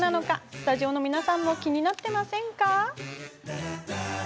スタジオの皆さんも気になっていませんか？